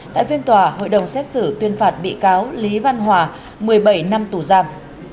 tại phiên tòa hội đồng xét xử tuyên phạt bị cáo lý văn hòa một mươi bảy năm tù giam